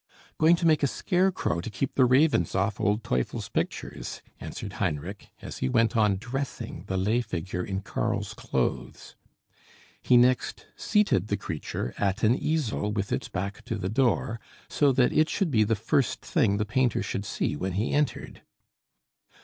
"Going to make a scarecrow to keep the ravens off old Teufel's pictures," answered Heinrich, as he went on dressing the lay figure in Karl's clothes. He next seated the creature at an easel with its back to the door, so that it should be the first thing the painter should see when he entered.